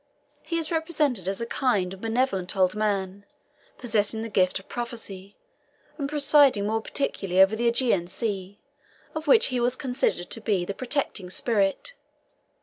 He is represented as a kind and benevolent old man, possessing the gift of prophecy, and presiding more particularly over the Ægean Sea, of which he was considered to be the protecting spirit.